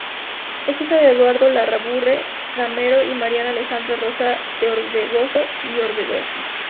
Es hija de Eduardo Larrabure Gamero y Mariana Alejandra Rosa de Orbegoso y Orbegoso.